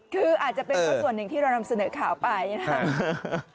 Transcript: คืออาจจะเป็นเพราะส่วนหนึ่งที่เรานำเสนอข่าวไปนะครับ